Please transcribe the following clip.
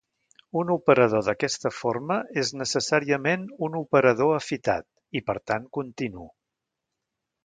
Un operador d'aquesta forma és necessàriament un operador afitat, i per tant continu.